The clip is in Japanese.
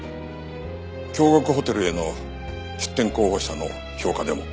京極ホテルへの出店候補者の評価でも。